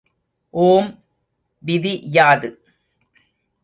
ஓம் விதி யாது?